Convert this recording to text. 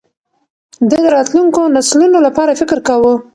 ده د راتلونکو نسلونو لپاره فکر کاوه.